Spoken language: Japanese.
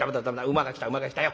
馬が来た馬が来たよ。